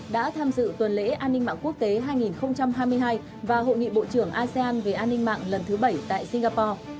đã tham dự tuần lễ an ninh mạng quốc tế hai nghìn hai mươi hai và hội nghị bộ trưởng asean về an ninh mạng lần thứ bảy tại singapore